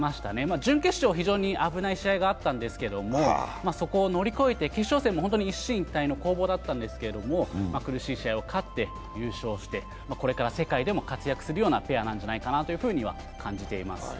準決勝、非常に危ない試合があったんですけども、そこを乗り越えて決勝戦も一進一退の攻防だったんですけれども、苦しい試合を勝って優勝して、これから世界でも活躍するペアなんじゃないかなと感じています。